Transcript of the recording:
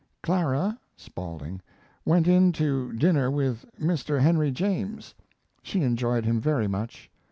Clara [Spaulding] went in to dinner with Mr. Henry James; she enjoyed him very much.